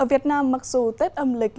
ở việt nam mặc dù tết âm lịch